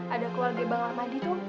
ada keluarga bangah mandi tuh